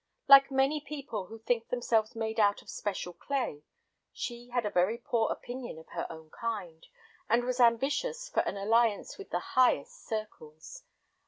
Like many people who think themselves made out of special clay, she had a very poor opinion of her own kind, and was ambitious for an alliance with the highest circles.